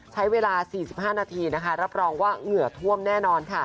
ใช้เวลา๔๕นาทีรับรองว่าเหงื่อท่วมแน่นอน